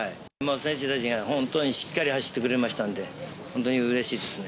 選手たちが本当にしっかり走ってくれましたんで、本当にうれしいですね。